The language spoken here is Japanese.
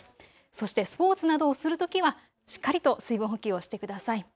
そしてスポーツなどをするときはしっかりと水分補給をしてください。